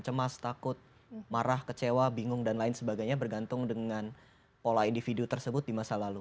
cemas takut marah kecewa bingung dan lain sebagainya bergantung dengan pola individu tersebut di masa lalu